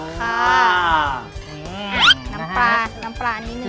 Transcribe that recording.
อ๋อค่ะน้ำปลานิดนึงค่ะ